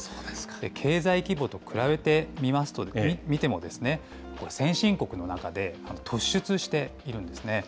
経済規模と比べてみても、先進国の中で突出しているんですね。